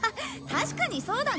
確かにそうだね。